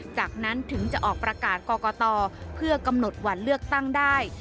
จากนั้นถึงจะออกประกาศกรกตเพื่อกำหนดวันเลือกตั้งได้